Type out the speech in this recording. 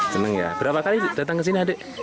senang ya berapa kali datang ke sini adik